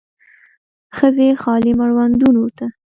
ښځې خالي مړوندونو ته